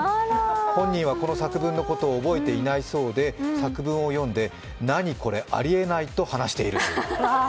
本人はこの作文のことを覚えていないそうで、作文を読んで、「何これありえない」と話している。